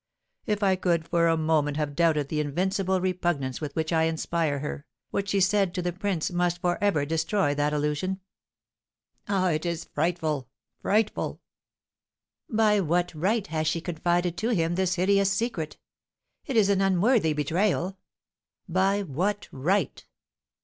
If I could for a moment have doubted the invincible repugnance with which I inspire her, what she said to the prince must for ever destroy that illusion. Ah, it is frightful, frightful! By what right has she confided to him this hideous secret? It is an unworthy betrayal! By what right?